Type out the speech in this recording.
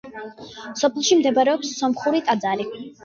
სოფელში მდებარეობს სომხური ტაძარი.